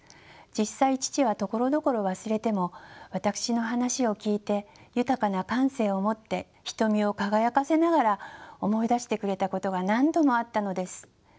実際父はところどころ忘れても私の話を聞いて豊かな感性を持って瞳を輝かせながら思い出してくれたことが何度もあったのです。